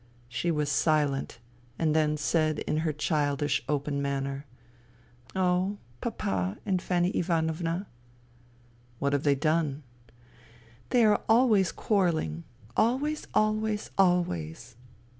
She was silent, and then said in her childish open manner, " Oh, Papa and Fanny Ivanovna." '' What have they done ?"*' They are always quarrelling, always, always, always."